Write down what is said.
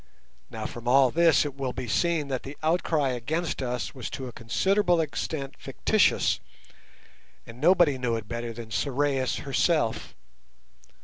Now, from all this it will be seen that the outcry against us was to a considerable extent fictitious, and nobody knew it better than Sorais herself.